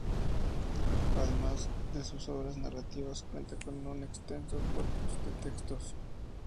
Además de sus obras narrativas cuenta con un extenso corpus de textos.